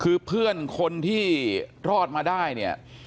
คือเพื่อนคนที่รอดมาได้เนี่ย